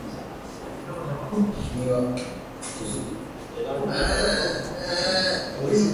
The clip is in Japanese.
君は土足で私の顔を踏んづけてくれても構わない。